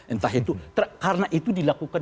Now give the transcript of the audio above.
entah itu karena itu dilakukan